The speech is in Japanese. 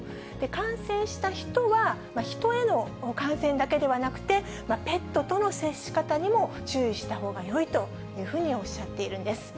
感染した人は、ヒトへの感染だけではなくて、ペットとの接し方にも注意したほうがよいというふうにおっしゃっているんです。